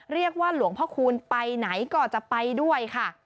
หลวงพ่อคูณไปไหนก็จะไปด้วยค่ะ